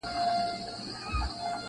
نیت او فکر دواړه هېر د آزادۍ سي -